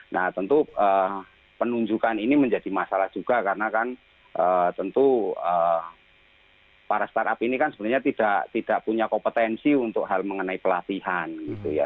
nah tentu penunjukan ini menjadi masalah juga karena kan tentu para startup ini kan sebenarnya tidak punya kompetensi untuk hal mengenai pelatihan gitu ya